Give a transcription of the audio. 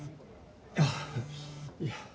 あっいや。